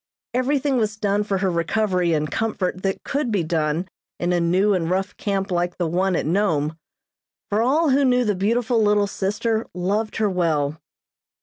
Everything was done for her recovery and comfort that could be done in a new and rough camp like the one at Nome; for all who knew the beautiful little sister loved her well.